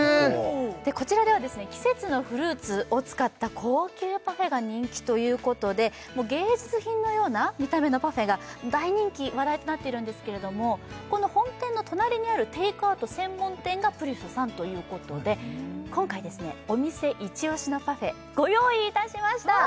こちらでは季節のフルーツを使った高級パフェが人気ということで芸術品のような見た目のパフェが大人気話題となっているんですけれどもこの本店の隣にあるテイクアウト専門店がプリュスさんということで今回ですねお店イチオシのパフェご用意いたしました